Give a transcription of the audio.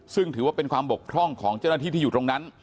ซึ่งถือว่าเป็นความบกพร่องของเจ้าหน้าที่ที่อยู่ตรงนั้น